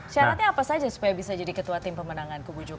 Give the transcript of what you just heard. syaratnya apa saja supaya bisa jadi ketua tim pemenangan